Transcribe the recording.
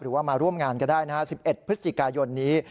หรือว่ามาร่วมงานก็ได้นะครับ๑๑พฤศจิกายนนี้